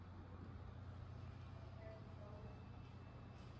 Jabber jaula